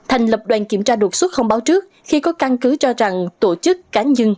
thành lập đoàn kiểm tra đột xuất không báo trước khi có căn cứ cho rằng tổ chức cá nhân